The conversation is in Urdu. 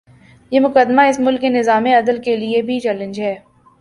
یہ مقدمہ اس ملک کے نظام عدل کے لیے بھی چیلنج ہے۔